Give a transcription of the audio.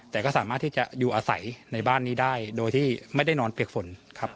แต่ก็สามารถที่จะอยู่อาศัยในบ้านนี้ได้โดยที่ไม่ได้นอนเปียกฝนครับ